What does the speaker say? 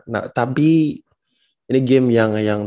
nah tapi ini game yang tidak berhasil